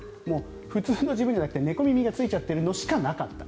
普通の写真じゃなくて猫耳がついている写真しかなかった。